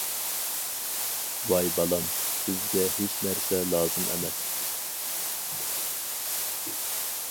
ۋاي بالام، بىزگە ھېچ نەرسە لازىم ئەمەس.